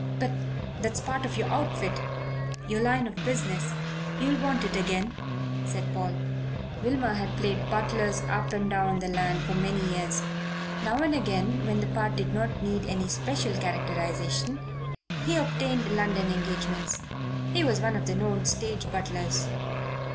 "But that's part of your outfit your line of business; you'll want it again," said Paul. Wilmer had played butlers up and down the land for many years. Now and again, when the part did not need any special characterization, he obtained London engagements. He was one of the known stage butlers.